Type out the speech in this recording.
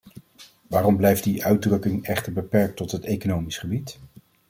Waarom blijft die uitdrukking echter beperkt tot het economisch gebied?